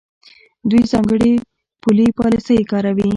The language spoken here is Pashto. دوی ځانګړې پولي پالیسۍ کاروي.